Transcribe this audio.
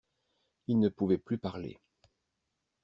Ils ne pouvaient plus parler.